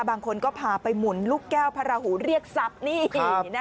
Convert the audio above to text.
บางคนก็พาไปหมุนลูกแก้วพระราหูเรียกทรัพย์นี่